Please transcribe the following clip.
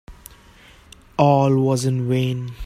All was in vain.